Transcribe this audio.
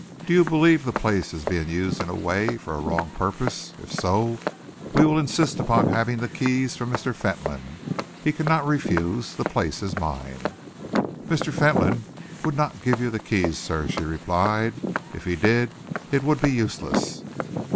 Do you believe the place is being used in any way for a wrong purpose? If so, we will insist upon having the keys from Mr. Fentolin. He cannot refuse. The place is mine." "Mr. Fentolin would not give you the keys, sir," she replied. "If he did, it would be useless."